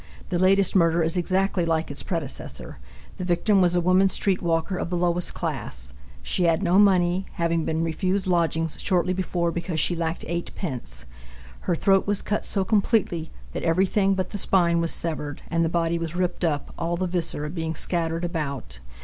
The latest murder is exactly like its predecessor. The victim was a woman street walker of the lowest class. She had no money, having been refused lodgings shortly before because she lacked 8d. Her throat was cut so completely that everything but the spine was severed, and the body was ripped up, all the viscera being scattered about.